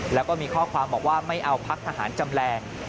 แล้วก็มีข้อความบอกว่าไม่เอาพักทหารจำแรง